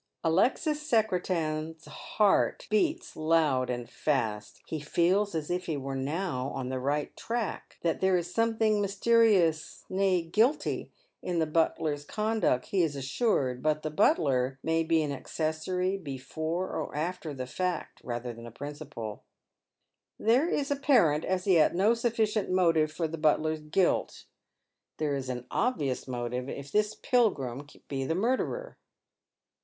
Alexis Secretan's heart beats loud and fast. He feels as if h« were now on the right track. That tliere is something mysterious — My, guilty — in the butle''« 'conduct, h* is ass''* ed • but the butlar Aiexis Investigates. 351 fnay be an accessory before or after the fact, rather than a principal. There is apparent, as yet, no sufficient motive for the butler's guilt ; there is an obvious motive if this Pilgrim be the murderer.